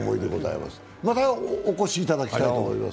またお越しいただきたいと思います。